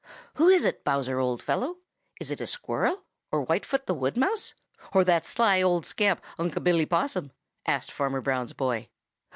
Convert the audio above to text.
"Who is it, Bowser, old fellow? Is it a Squirrel, or Whitefoot the Wood Mouse, or that sly old scamp, Unc' Billy Possum?" asked Farmer Brown's boy.